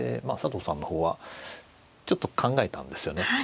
佐藤さんの方はちょっと考えたんですよね。